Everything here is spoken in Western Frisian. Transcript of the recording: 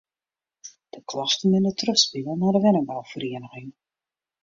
De klachten binne trochspile nei de wenningbouferieniging.